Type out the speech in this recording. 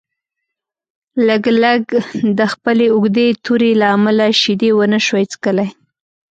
لګلګ د خپلې اوږدې تورې له امله شیدې ونشوای څښلی.